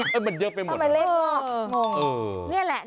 มันเยอะไปหมดเหรองงทำไมเลขก็